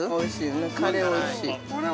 カレーおいしい。